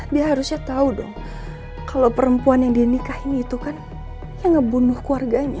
dia harusnya tahu dong kalau perempuan yang dia nikahin itu kan ya ngebunuh keluarganya